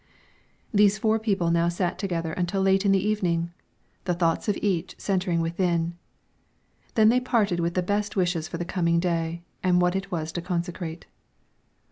These four people now sat together until late in the evening, the thoughts of each centering within; then they parted with the best wishes for the coming day and what it was to consecrate.